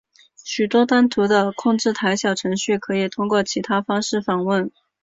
许多单独的控制台小程序可以通过其他方式访问。